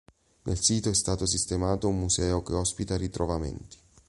Nel sito è stato sistemato un Museo che ospita i ritrovamenti.